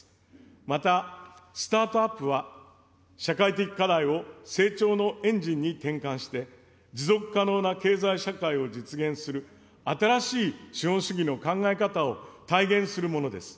またスタートアップは、社会的課題を成長のエンジンに転換して、持続可能な経済社会を実現する、新しい資本主義の考え方を体現するものです。